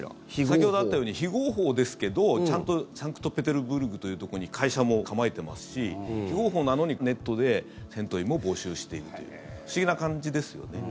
先ほどあったように非合法ですけどちゃんとサンクトペテルブルクというところに会社も構えてますし非合法なのにネットで戦闘員も募集しているという不思議な感じですよね。